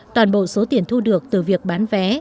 toàn bộ số tiền thu được từ việc bán vé